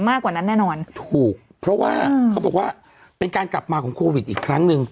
มากกว่านั้นแน่นอนถูกเพราะว่าเขาบอกว่าเป็นการกลับมาของโควิดอีกครั้งหนึ่ง